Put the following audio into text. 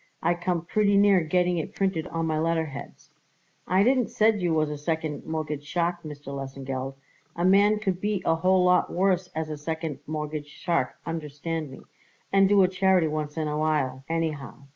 I come pretty near getting it printed on my letterheads." "I didn't said you was a second mortgage shark, Mr. Lesengeld; a man could be a whole lot worse as a second mortgage shark, understand me, and do a charity once in awhile, anyhow.